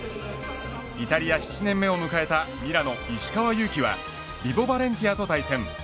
イタリア７年目を迎えたミラノ石川祐希はヴィボ・バレンティアと対戦。